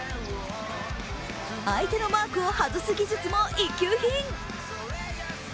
相手のマークを外す技術も一級品。